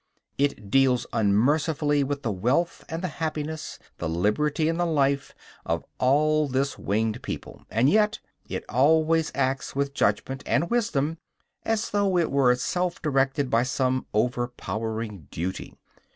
It deals unmercifully with the wealth and the happiness, the liberty and the life, of all this winged people; and yet it always acts with judgment and wisdom, as though it were itself directed by some overpowering duty.